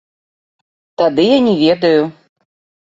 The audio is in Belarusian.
Тады я не ведаю.